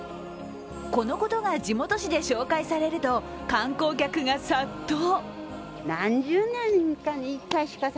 このことが地元紙で紹介されると観光客が殺到。